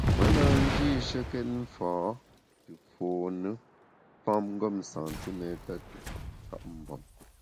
Me na njîshekét mfâ te fône famngem santiméta te nkap mvem.